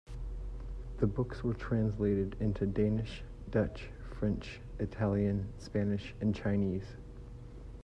The books were translated into Danish, Dutch, French, Italian, Spanish and Chinese.